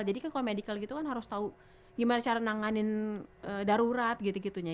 jadi kalau medical gitu kan harus tahu gimana cara nanganin darurat gitu gitunya